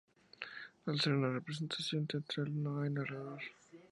Al ser una representación teatral no hay narrador.